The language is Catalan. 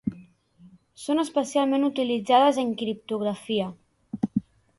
Són especialment utilitzades en criptografia.